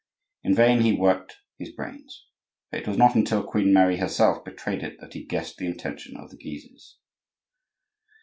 In vain he worked his brains, for it was not until Queen Mary herself betrayed it that he guessed the intention of the Guises.